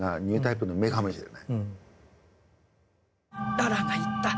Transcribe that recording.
ララァが言った。